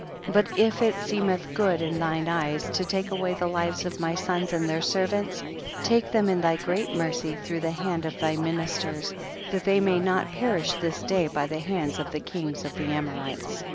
But if it seemeth good in thine eyes to take away the lives of my sons and their servants, take them in thy great mercy through the hand of thy ministers,* that they may not perish this day by the hands of the kings of the Amorites.